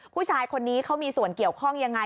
ผู้ชายคนนี้เขามีส่วนเกี่ยวข้องยังไง